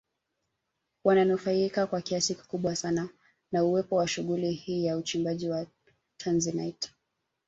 Wananufaika kwa kiasi kikubwa sana na uwepo wa shughuli hii ya uchimbaji wa Tanzanite